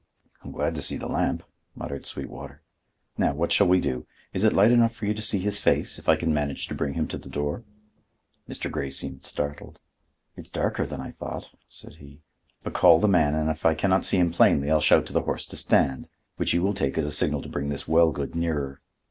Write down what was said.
"I'm glad to see the lamp," muttered Sweetwater. "Now, what shall we do? Is it light enough for you to see his face, if I can manage to bring him to the door?" Mr. Grey seemed startled. "It's darker than I thought," said he. "But call the man and if I can not see him plainly, I'll shout to the horse to stand, which you will take as a signal to bring this Wellgood nearer.